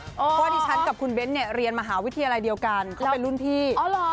เพราะว่าดิฉันกับคุณเบ้นเนี่ยเรียนมหาวิทยาลัยเดียวกันเขาเป็นรุ่นพี่